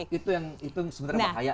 nah itu sebenarnya bahayanya